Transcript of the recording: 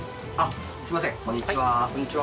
すみませんこんにちは。